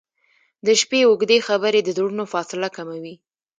• د شپې اوږدې خبرې د زړونو فاصله کموي.